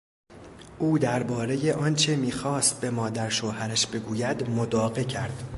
او دربارهی آنچه میخواست به مادر شوهرش بگوید مداقه کرد.